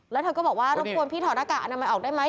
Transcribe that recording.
แล้วเธอก็บอกว่ารบกวนพี่ถอดหน้ากากอนามัยออกได้ไหม